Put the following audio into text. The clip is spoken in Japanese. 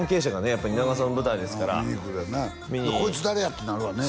やっぱり蜷川さんの舞台ですから「こいつ誰や？」ってなるわね